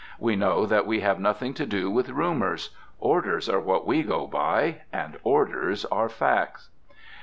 We know that we have nothing to do with rumors. Orders are what we go by. And orders are Facts.